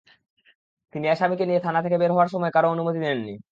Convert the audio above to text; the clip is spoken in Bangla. তিনি আসামিকে নিয়ে থানা থেকে বের হওয়ার সময়ও কারও অনুমতি নেননি।